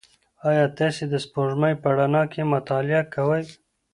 ایا تاسي د سپوږمۍ په رڼا کې مطالعه کوئ؟